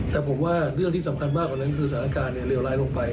แต่ผมว่าเรื่องที่สำคัญมากกว่านั้นคือสถานการณ์เลวร้ายลงไป